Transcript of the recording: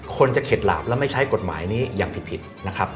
คนจะเข็ดหลาบและไม่ใช้กฎหมายนี้อย่างผิดนะครับ